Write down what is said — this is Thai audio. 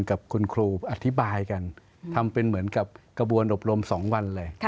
กับคุณครูอธิบายกันทำเป็นเหมือนกับกระบวนอบรม๒วันเลย